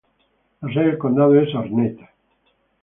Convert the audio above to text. La sede del condado es Arnett.